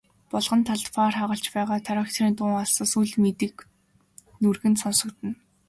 Булган талд паар хагалж байгаа тракторын дуун алсаас үл мэдэг нүргэн сонстоно.